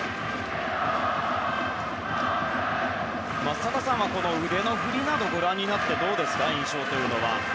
松坂さんはこの腕の振りなどをご覧になってどうですか、印象は。